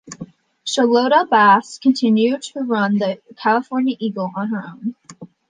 Charlotta Bass continued to run the "California Eagle" on her own.